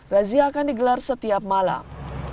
razia akan digelar setiap malam